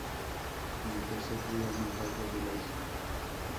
Es el tercer río más largo de la isla.